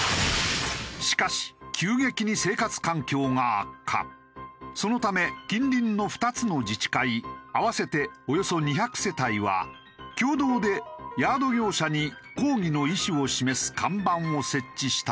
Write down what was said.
しかしそのため近隣の２つの自治会合わせておよそ２００世帯は共同でヤード業者に抗議の意思を示す看板を設置したのだが。